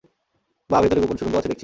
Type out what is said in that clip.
বাহ, ভেতরে গোপন সুড়ঙ্গও আছে দেখছি!